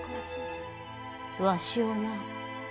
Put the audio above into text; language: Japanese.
わしをな！